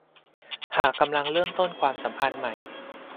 หากกำลังเริ่มต้นความสัมพันธ์ใหม่